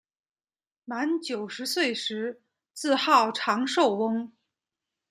满九十岁时自号长寿翁。